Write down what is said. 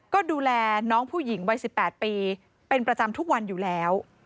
ก็ดูแลน้องผู้หญิงวัย๑๘ปีเป็นประจำทุกวันอยู่แล้ว